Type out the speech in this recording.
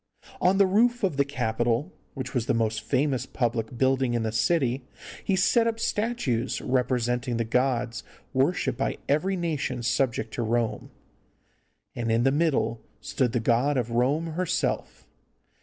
On the roof of the Capitol, which was the most famous public building in the city, he set up statues representing the gods worshipped by every nation subject to Rome, and in the middle stood the god of Rome herself.